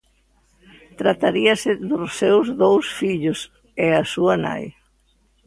Trataríase dos seus dous fillos e a súa nai.